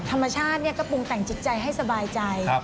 ธรรมชาติก็ปรุงแต่งจิตใจให้สบายใจ